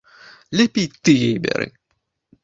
Лепей ты яе бяры.